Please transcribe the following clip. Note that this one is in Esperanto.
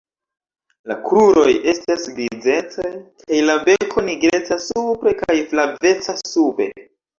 La kruroj estas grizecaj kaj la beko nigreca supre kaj flaveca sube.